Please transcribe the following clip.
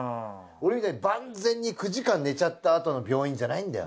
俺みたいに万全に９時間寝ちゃったあとの病院じゃないんだよ。